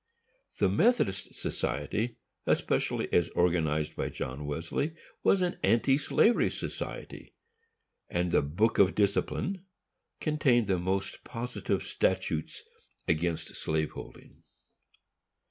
The Methodist Society especially, as organized by John Wesley, was an anti slavery society, and the Book of Discipline contained the most positive statutes against slave holding.